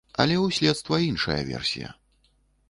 Але ў следства іншая версія.